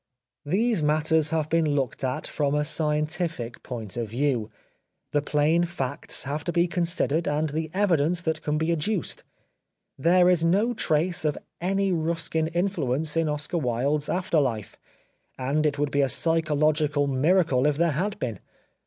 These matters have to be looked at from a scientific point of view ; the plain facts have to be considered and the evidence that can be adduced. There is no trace of any Ruskin influence in Oscar Wilde's after life, and it would be a psychological miracle if there had been.